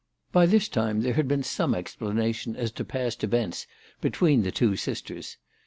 By this time there had been some explanation as to past events between the two sisters.